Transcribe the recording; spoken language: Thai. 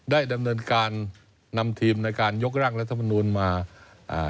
ได้ดำเนินการนำทีมในการยกร่างรัฐมนูลมาอ่า